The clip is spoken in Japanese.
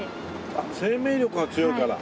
あっ生命力が強いから。